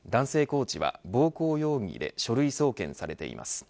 コーチは暴行容疑で書類送検されています。